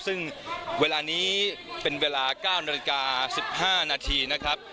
ซึ่งเวลานี้เป็นเวลา๙นาฬิกา๑๕นาทีนะครับ